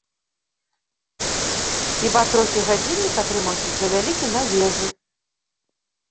Хіба трохі гадзіннік атрымаўся завялікі на вежы.